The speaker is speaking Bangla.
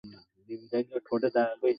তিনি এ আবিষ্কারের কথা প্রকাশ করেননি।